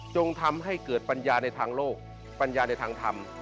ทำให้เกิดปัญญาในทางโลกปัญญาในทางธรรม